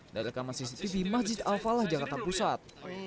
dari rekaman cctv masjid al falah jakarta pusat